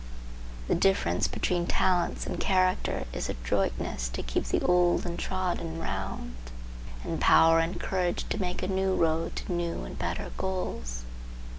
The difference between talents and character is adroitness to keep the old and trodden round, and power and courage to make a new road to new and better goals.